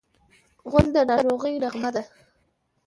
غول د ناروغۍ نغمه ده.